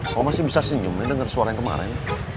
kok masih bisa senyum ini dengar suara yang kemarin